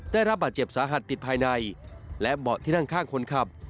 ได้รับบาดเจ็บสาหัสติดภายในและเบาะที่นั่งข้างคนขับ